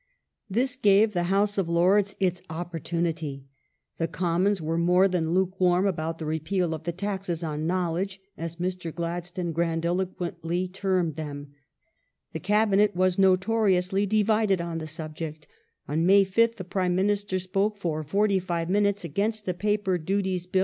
This gave the House of Lords its opportunity. The Commons The Lords were more than lukewarm about the repeal of the ''taxes on know ^nce^"' ledge," as Mr. Gladstone grandiloquently termed them. The Cabinet was notoriously divided on the subject.'^ On May 5th the Prime Minister spoke for forty five minutes against the Paper Duties Bill in 1 NineteeJtth Century, February, 1880. 2 cf.